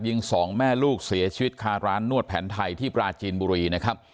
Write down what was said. สองแม่ลูกเสียชีวิตคาร้านนวดแผนไทยที่ปราจีนบุรีนะครับ